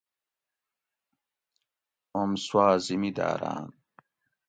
اوم سُواٞ زمیداٞراٞن